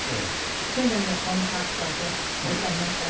去年のコンサートでお歌いになった